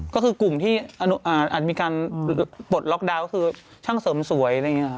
ก็คือกลุ่มที่อะนี่กันมีการปลดล็อกดาวน์คือช่างเสริมสวย